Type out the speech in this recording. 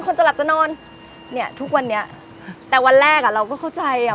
จะหลับจะนอนเนี้ยทุกวันนี้แต่วันแรกอ่ะเราก็เข้าใจอ่ะ